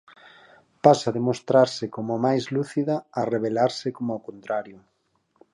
Pasa de mostrarse como a máis lúcida a revelarse como o contrario.